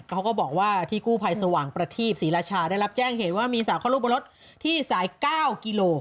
เขาก็บอกว่าที่กู้ภัยสว่างประทีปศรีราชาได้รับแจ้งเหตุว่ามีสาวเข้ารูปบนรถที่สาย๙กิโล